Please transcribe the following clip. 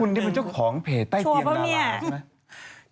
นี่เป็นเจ้าของเพจใต้เตียงดาราใช่ไหม